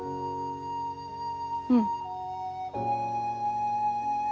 うん。